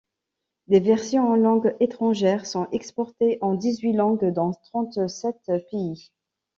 Des versions en langue étrangère sont exportées en dix-huit langues dans trente-sept pays.